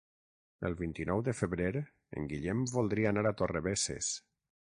El vint-i-nou de febrer en Guillem voldria anar a Torrebesses.